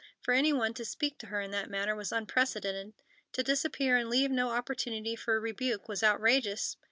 For any one to speak to her in that manner was unprecedented. To disappear and leave no opportunity for rebuke was outrageous.